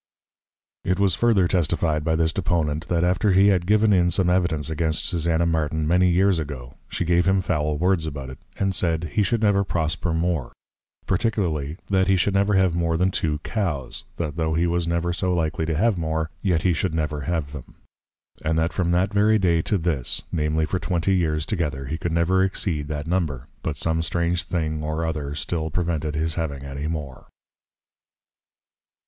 It was further testify'd by this Deponent, That after he had given in some Evidence against Susanna Martin, many years ago, she gave him foul words about it; and said, He should never prosper more; particularly, _That he should never have more than two Cows; that tho' he was never so likely to have more, yet he should never have them._ And that from that very day to this, namely for twenty years together, he could never exceed that number; but some strange thing or other still prevented his having any more.